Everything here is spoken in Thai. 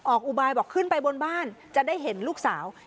อุบายบอกขึ้นไปบนบ้านจะได้เห็นลูกสาว